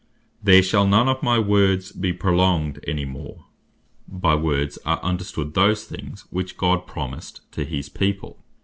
"There shall none of my Words be prolonged any more:" by "Words" are understood those Things, which God promised to his people.